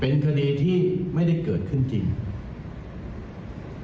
ผู้บังคับการตำรวจบูธรจังหวัดเพชรบูนบอกว่าจากการสอบสวนนะครับ